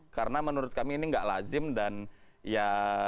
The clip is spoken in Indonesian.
karena menurut kami ini gak lazim dan ya